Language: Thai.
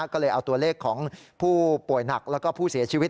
ก็เลยเอาตัวเลขของผู้ป่วยหนักแล้วก็ผู้เสียชีวิต